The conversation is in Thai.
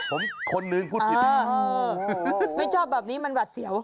ผมคนนึงพูดผิดไม่ชอบแบบนี้มันหวัดเสียว